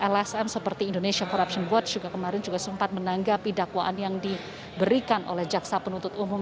lsm seperti indonesia corruption watch juga kemarin juga sempat menanggapi dakwaan yang diberikan oleh jaksa penuntut umum